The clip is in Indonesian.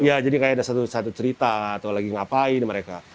ya jadi kayak ada satu cerita atau lagi ngapain mereka